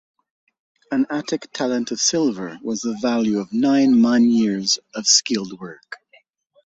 An Attic talent of silver was the value of nine man-years of skilled work.